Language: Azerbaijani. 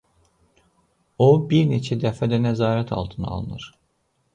O bir neçə dəfə də nəzarət altına alınır.